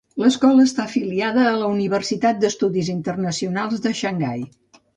L'escola està afiliada a la Universitat d'Estudis Internacionals de Xangai.